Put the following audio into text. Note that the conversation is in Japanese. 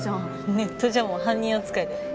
ネットじゃもう犯人扱いだよ。